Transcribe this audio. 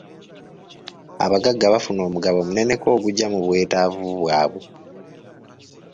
Abagagga bafuna omugabo muneneko ogugya mu bwetaavu bwabwe.